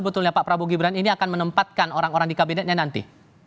sebetulnya pak prabowo gibran ini akan menempatkan orang orang di kabinetnya nanti